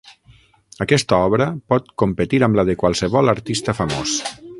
Aquesta obra pot competir amb la de qualsevol artista famós.